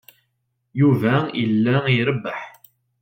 Yuba yella irebbeḥ.